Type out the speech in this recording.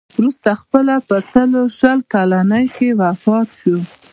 وروسته خپله په سلو شل کلنۍ کې وفات شو.